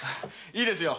いいですよ